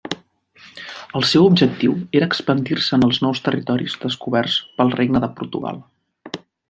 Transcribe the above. El seu objectiu era expandir-se en els nous territoris descoberts pel Regne de Portugal.